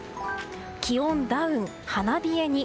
気温ダウン、花冷えに。